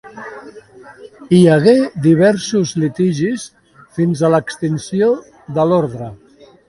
Hi hagué diversos litigis fins a l'extinció de l'orde.